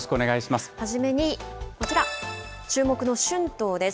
初めにこちら、注目の春闘です。